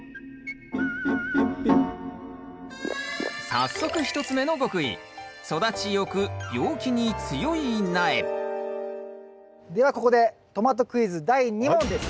早速１つ目の極意ではここでトマトクイズ第２問です。